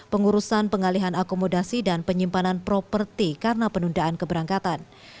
pengurusan pengalihan akomodasi dan penyimpanan properti karena penundaan keberangkatan